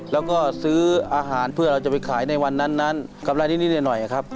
แล้วก็ซื้ออาหารเพื่อเราจะไปขายในวันนั้นนั้นกำไรนิดหน่อยครับ